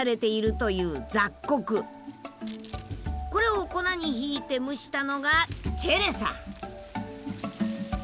これを粉にひいて蒸したのがチェレさ。